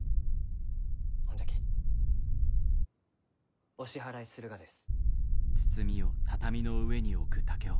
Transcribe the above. ほんじゃきお支払いするがです。